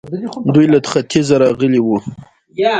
دوی له ختيځه راغلي وو